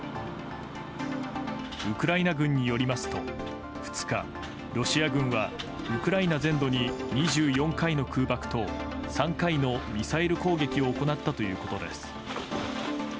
ウクライナ軍によりますと２日、ロシア軍はウクライナ全土に２４回の空爆と３回のミサイル攻撃を行ったということです。